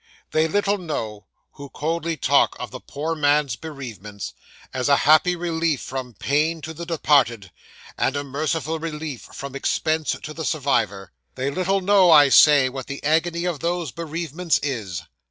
'They little know, who coldly talk of the poor man's bereavements, as a happy release from pain to the departed, and a merciful relief from expense to the survivor they little know, I say, what the agony of those bereavements is.